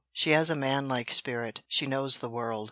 She has a manlike spirit. She knows the world.